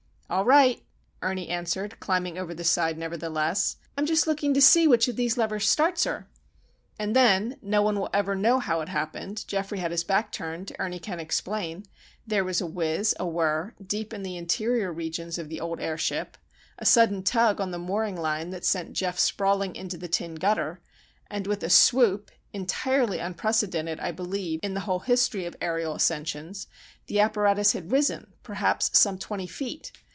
"All right," Ernie answered, climbing over the side, nevertheless. "I'm just looking to see which of these levers starts her." And then,—no one will ever know how it happened, Geoffrey had his back turned, Ernie can't explain,—there was a whiz, a whirr, deep in the interior regions of the old airship, a sudden tug on the mooring line that sent Geof sprawling into the tin gutter, and with a swoop, entirely unprecedented, I believe, in the whole history of aërial ascensions, the apparatus had risen, perhaps some twenty feet!